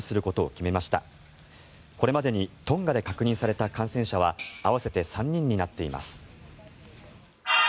これまでにトンガで確認された感染者は合わせて３人になっています。